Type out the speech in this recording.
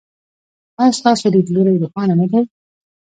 ایا ستاسو لید لوری روښانه نه دی؟